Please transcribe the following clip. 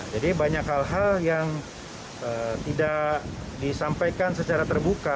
jadi banyak hal hal yang tidak disampaikan secara terbuka